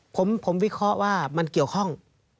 ผมวิเคราะห์ว่ามันเกี่ยวข้อง